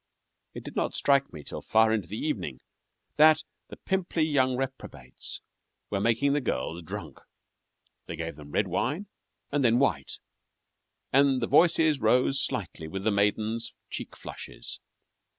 It did not strike me till far into the evening that the pimply young reprobates were making the girls drunk. They gave them red wine and then white, and the voices rose slightly with the maidens' cheek flushes.